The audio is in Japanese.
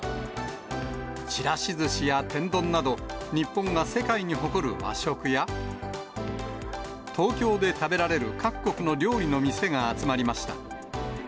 ちらしずしや天丼など、日本が世界に誇る和食や、東京で食べられる各国の料理の店が集まりました。